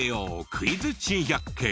クイズ珍百景。